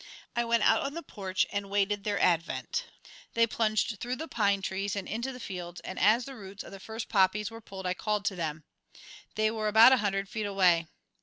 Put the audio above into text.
I went out on the porch and waited their advent. They plunged through the pine trees and into the fields, and as the roots of the first poppies were pulled I called to them. They were about a hundred feet away.